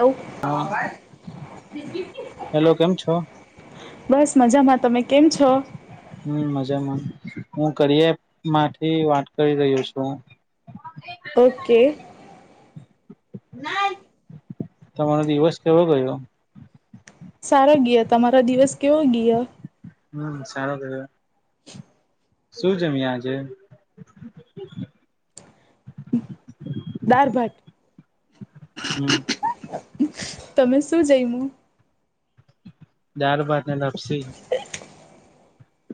Hello. હા hello કેમ છો? બસ મજામાં તમે કેમ છો? હમ્મ મજામાં. હું કરય માંથી વાત કરી રહ્યો છું. ઓકે. તમારો દિવસ કેવો ગયો. સારો ગયો તમારો દિવસ કેવો ગયો. હમ સારો થયો. શું જમી્યા આજે? દાર ભાત. હમ. [inaudible] દાર ભાત અતા ખુછી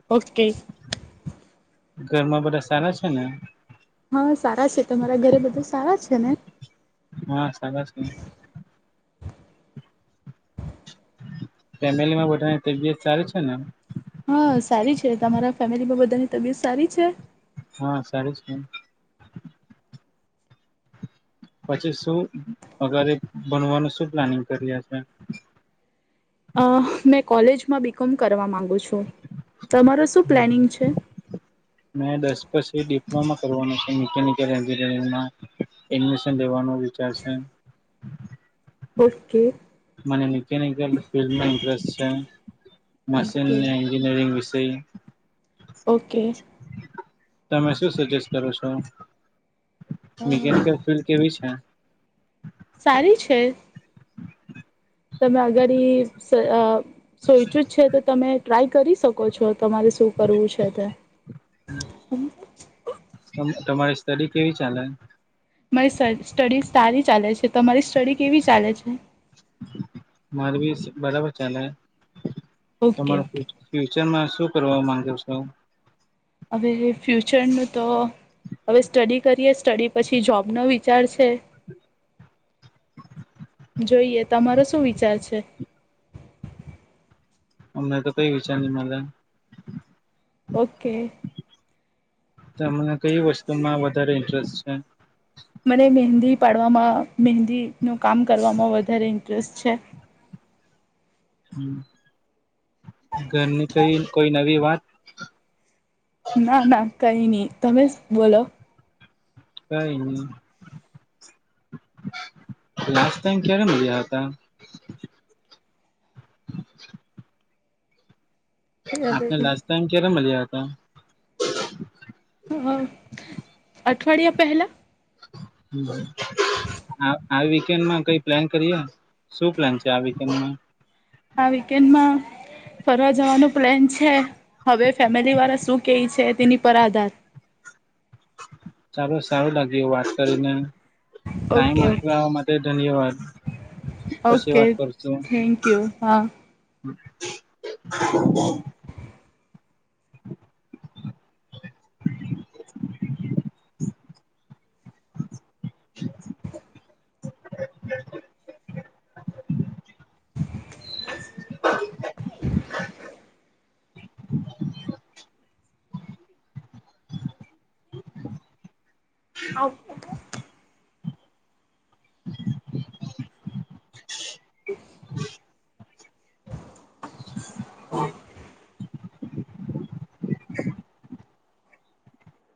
ઓકકેે ઘરમાં બધા સારા છે ને હા સારા છે તમારા ઘરે બધું સારા છે ને હા સારા છ ન ફેમિલીમાં બધાની તબિયત સારી છે ને હા સારી છે તમારા ફેમિલીમાં બધાની તબિયત સારી છે. હા સારું છે. પછી શું અગારે બનવાનું શું પ્લાનિંગ કરી્યા છે. અ મેં કોલેજમાં બીકોમ કરવા માંગ તમારો શું પ્લાનિગ છે. મેં દસ પછી ડિપ્લોમા કરવાનું છે મિકનિકલ એન્જિનિયરિંગમાં એડમિશન લેવાનો વિચાર છે. ઓકે. મને મશીન ઓકે ને એન્જિનિયરિંગ વિશે [inaudible] ઓકે. તમે શું સજેસ્ટ કરો છો? અ [unintelligible] સારી છે. તમે અગડી. સોઈચું જ છે તો તમે. ટ્રાય કરી શકો છો. તમારે શું કરવું છે તે. [inaudible] તમારી સ્ટડી કેવી ચાલે? મારી સ સ્ટડી તારી ચાલે છે. તમારી સ્ટડી કેવી ચાલે છે? [unintelligible] ઓકે તમાર ઓકે ફ્યુચરમાં શું? કરવા માંગ્યો છો. હવે ફ્યુચરનું તો હવે સ્ટડી કરીએ. સ્ટડી પછી જોબનો વિચાર છે. જોઈએ તમારો શું વિચાર છે? અમને તો કઈ વિચાર ની મલે. ઓકે! તમને કઈ વસ્તુમાં વધારે ઇન્ટરેસ્ટ? છે. મને મહેંદી પાડવામાં મહેંદીનું કામ કરવામાં વધારે ઇન્ટરેસ્ટ છે. ઘરની કઈ કોઈ નવી વાત? કઈ ની. તમે બોલો. કઈ ની. લાસ્ટ ટાઈમ ક્યારે મળ્યા હતા? આપને લાસ્ટ ટાઈમ ક્યારે મલ્યા? [inaudible] હન અઠવાડિયા પહેલા. હમ, આ આ વીકેન્ડમા કઈ પ્લેન કરીએ. શું પ્લેન છે આ વેકેન્ડમાં? આ વેકેન્ડમાં ફરવા જવાનો પ્લેન છે. હવે ફેમિલીવાળા શું કેય છે, તેની પર આધાર. સારું સારું લાગ્યું વાત કરીને. ટાઈમ ઓકે ઓકે આપવા માટે ધન્યવાદ. પછી ઓકે વાત કરશુ. [inaudible] થેન્ક યુ હા [inaudible] [inaudible]